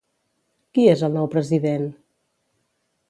Qui és el nou president?